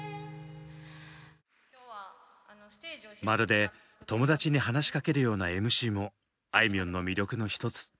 まるで友達に話しかけるようなＭＣもあいみょんの魅力の一つ。